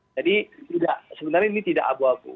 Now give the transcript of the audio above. jadi sebenarnya ini tidak abu abu